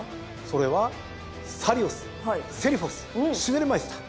それはサリオスセリフォスシュネルマイスター。